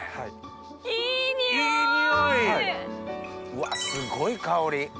うわすごい香り。